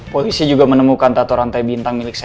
polisi juga menemuka tata rantai bintang milik semi pak